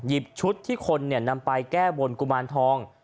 ชุดที่คนนำไปแก้บนกุมารทอง